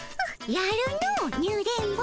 やるのニュ電ボ。